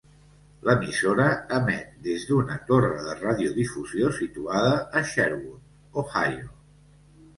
L'emissora emet des d'una torre de radiodifusió situada a Sherwood, Ohio.